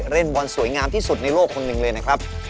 เล่นบอลสวยงามที่สุดในโลกคนหนึ่งเลยนะครับ